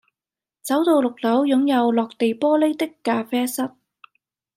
走到六樓擁有落地玻璃的咖啡室